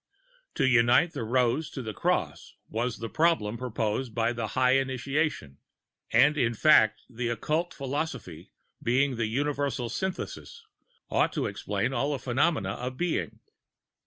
To unite the Rose to the Cross, was the problem proposed by the High Initiation; and in fact the Occult philosophy being the Universal Synthesis, ought to explain all the phenomena of Being.